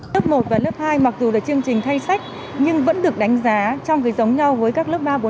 lớp một và lớp hai mặc dù là chương trình thay sách nhưng vẫn được đánh giá trong cái giống nhau với các lớp ba bốn